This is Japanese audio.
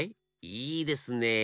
いいですねえ。